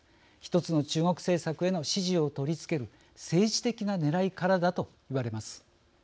「１つの中国」政策への支持を取り付ける政治的なねらいからだといわれます。